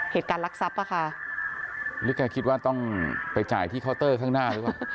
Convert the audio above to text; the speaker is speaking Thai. รักทรัพย์อะค่ะหรือแกคิดว่าต้องไปจ่ายที่เคาน์เตอร์ข้างหน้าหรือเปล่า